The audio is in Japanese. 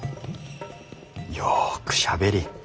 よくしゃべり。